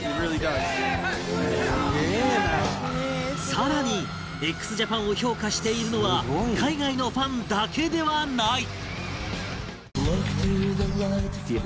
更に ＸＪＡＰＡＮ を評価しているのは海外のファンだけではない